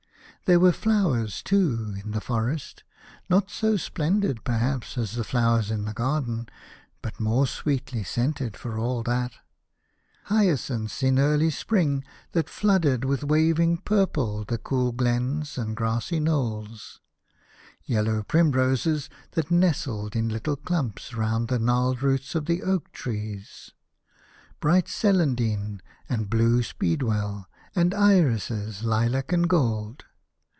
There were flowers, too, in the forest, not so splendid, perhaps, as the dowers in the garden, but more sweetly scented for all that ; hyacinths in early spring that flooded with waving purple the cool glens, and grassy knolls ; yellow primroses that nestled in little clumps round the gnarled roots of the oak trees ; bright celandine, and blue speedwell, and irises lilac and gold.